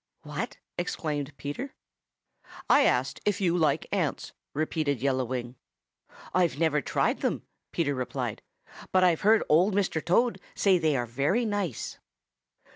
"What?" exclaimed Peter. "I asked if you like ants," repeated Yellow Wing. "I've never tried them," Peter replied, "but I've heard Old Mr. Toad say they are very nice."